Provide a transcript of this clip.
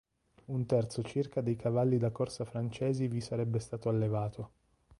Un terzo circa dei cavalli da corsa francesi vi sarebbe stato allevato.